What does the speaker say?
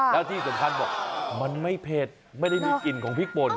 แล้วที่สำคัญบอกมันไม่เผ็ดไม่ได้มีกลิ่นของพริกป่น